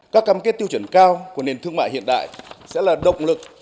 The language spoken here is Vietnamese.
các cam kết tiêu chuẩn cao của nền thương mại hiện đại sẽ là động lực